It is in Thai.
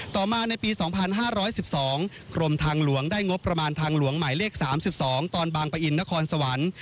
ต่อมาในปี๒๕๑๒กรมทางหลวงได้งบประมาณทางหลวงหมายเลข๓๒ตอนบางปะอินนครสวรรค์